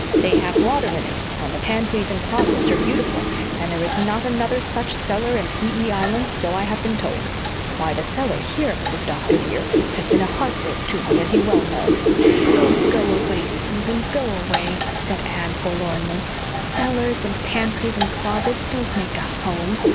They have water in it, and the pantries and closets are beautiful, and there is not another such cellar in P. E. Island, so I have been told. Why, the cellar here, Mrs. Doctor, dear, has been a heart break to me, as well you know." "Oh, go away, Susan, go away," said Anne forlornly. "Cellars and pantries and closets don't make a HOME.